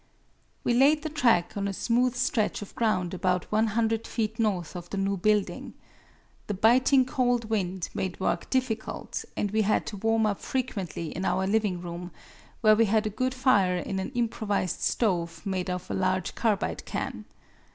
We laid the track on a smooth stretch of ground about one hundred feet north of the new building. The biting cold wind made work difficult, and we had to warm up frequently in our living room, where we had a good fire in an improvised stove made of a large carbide can.